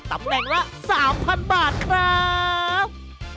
ตำแหน่งละ๓๐๐บาทครับ